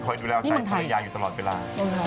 คอยดูแล้วชายภรรยายอยู่ตลอดเวลา